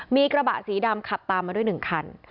มีกระบะสีดำขับตามมาด้วย๑คัน